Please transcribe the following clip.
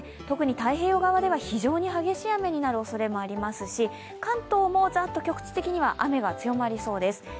特に太平洋側では非常に激しい雨になるおそれもありますし関東もザッと局地的には雨が強まりそうです。